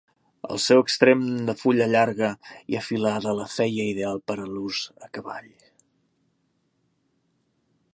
El seu extrem de fulla llarga i afilada la feia ideal per a l'ús a cavall.